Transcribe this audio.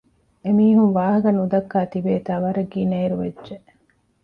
އެމީހުން ވާހަކަ ނުދައްކާ ތިބޭތާ ވަރަށް ގިނައިރު ވެއްޖެ